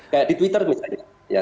kayak di twitter misalnya